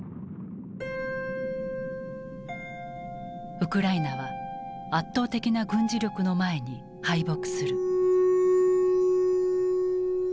ウクライナは圧倒的な軍事力の前に敗北する。